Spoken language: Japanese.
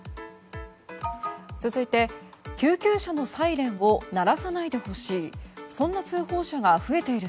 続いて、救急車のサイレンを鳴らさないでほしい。